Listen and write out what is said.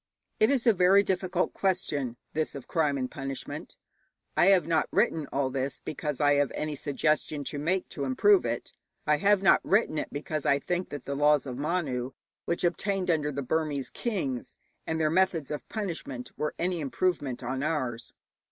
It is a very difficult question, this of crime and punishment. I have not written all this because I have any suggestion to make to improve it. I have not written it because I think that the laws of Manu, which obtained under the Burmese kings, and their methods of punishment, were any improvement on ours.